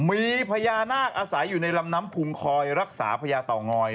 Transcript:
มีพระยานาคอาศัยอยู่ในลำน้ำภูงคอยรักษาพระยาต่อง้อย